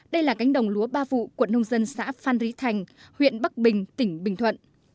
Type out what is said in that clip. đây là cánh đồng lúa ba vụ quận nông dân xã phan rí thành huyện bắc bình tỉnh bình thuận